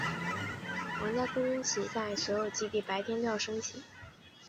皇家空军旗在所有基地白天都要升起。